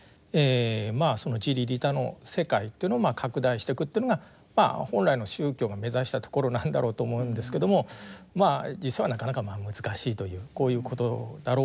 その自利利他の世界というのを拡大してくというのが本来の宗教が目指したところなんだろうと思うんですけども実はなかなか難しいというこういうことだろうかと思います。